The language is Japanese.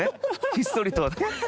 ひっそりと。